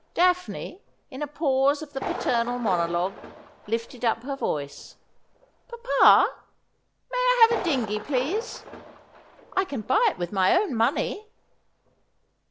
Daphne, in a pause of the paternal monologue, lifted up her voice. ' Papa, may 1 have a dingey, please ? I can buy it with my own money.'